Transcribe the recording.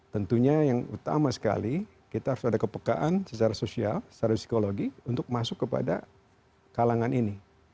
tentunya yang utama sekali kita harus ada kepekaan secara sosial secara psikologi untuk masuk kepada kalangan ini